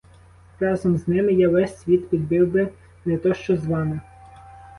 Разом з ними я весь світ підбив би, не то що з вами.